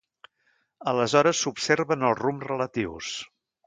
Aleshores s'observen els rumbs relatius.